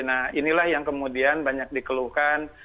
nah inilah yang kemudian banyak dikeluhkan